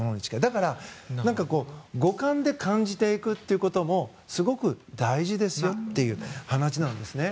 だから五感で感じていくということもすごく大事ですよっていう話なんですね。